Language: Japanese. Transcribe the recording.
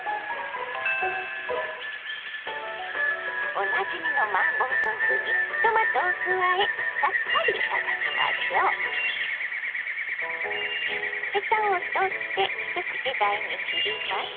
おなじみのマーボー豆腐にトマトを加えさっぱり頂きましょう。ヘタを取って一口大に切ります。